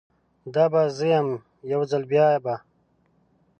دا به زه یم، یوځل بیابه